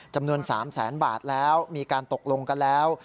จำนวน๓แสนบาทแล้วมีการตกลงกันแล้ว